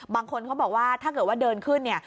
บางคนเขาบอกว่าถ้าเกิดว่าเดินขึ้นเนี่ย